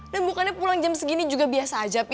dan bukannya pulang jam segini juga biasa aja pi